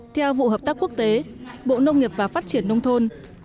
theo vụ hợp tác quốc tế bộ nông nghiệp và phát triển nông thôn